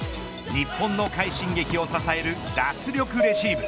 日本の快進撃を支える脱力レシーブ。